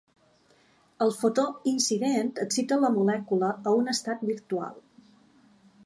El fotó incident excita la molècula a un estat virtual.